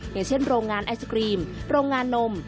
อย่างเช่นโรงงานไอศกรีมโรงงานนม